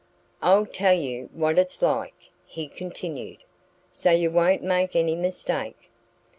"I'll tell you what it's like," he continued, "so you won't make any mistake.